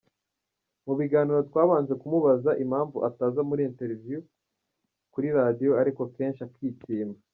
Mu biganiro twabanje kumubaza impamvu ataza muri Interview kuri Radio ariko kenshi akitsimba.